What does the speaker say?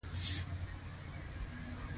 باران د افغانانو ژوند اغېزمن کوي.